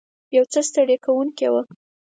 یو څه ستړې کوونکې وه.